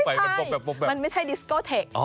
ไม่ใช่มันไม่ใช่ดิสโกเทค